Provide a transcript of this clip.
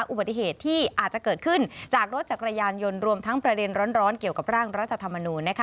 อุบัติเหตุที่อาจจะเกิดขึ้นจากรถจักรยานยนต์รวมทั้งประเด็นร้อนเกี่ยวกับร่างรัฐธรรมนูญนะคะ